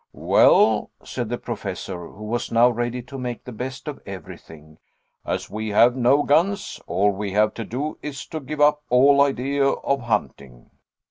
"Well," said the Professor, who was now ready to make the best of everything, "as we have no guns, all we have to do is to give up all idea of hunting."